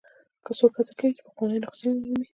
که څوک هڅه کوي چې پخوانۍ نسخې ومومي.